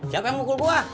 siapa yang mukul gua